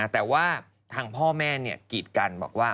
แต่ว่าทางพ่อแม่กีดกันบอกว่า